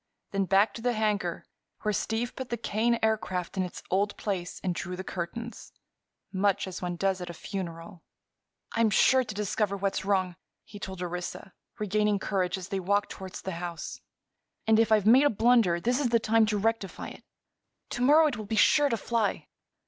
Then back to the hangar, where Steve put the Kane Aircraft in its old place and drew the curtains—much as one does at a funeral. "I'm sure to discover what's wrong," he told Orissa, regaining courage as they walked toward the house. "And, if I've made a blunder, this is the time to rectify it. To morrow it will be sure to fly.